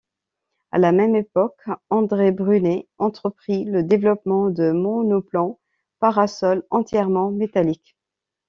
À la même époque André Brunet entreprit le développement de monoplans parasol entièrement métalliques.